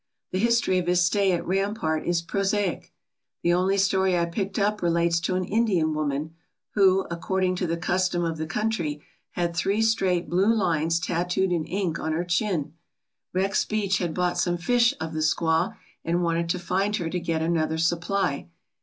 The history of his stay at Ram part is prosaic. The only story I picked up relates to an Indian woman who, according to the custom of the country, had three straight blue lines tattooed in ink on her chin. Rex Beach had bought some fish of the squaw and wanted to find her to get another supply.